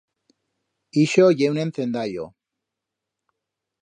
Ixo ye un encendallo.